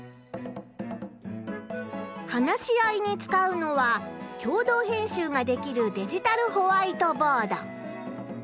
話し合いに使うのは共同編集ができるデジタルホワイトボード。